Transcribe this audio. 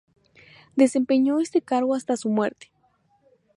Desempeñó este cargo hasta su muerte.